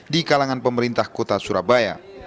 di kalangan pemerintah kota surabaya